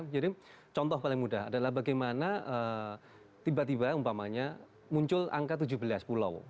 jadi contoh paling mudah adalah bagaimana tiba tiba umpamanya muncul angka tujuh belas pulau